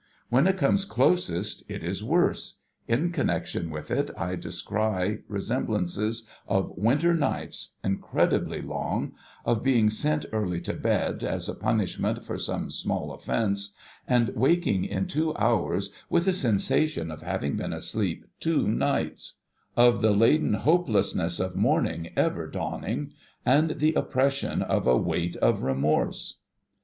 When it comes closest, it is worse. In connection with it I descry remembrances of winter nights incredibly long ; of being sent early to bed, as a punishment for some small offence, and waking in two hours, with a sensation of having been asleep two nights ; of the laden hope lessness of morning ever dawning ; and the oppression of a weight of remorse.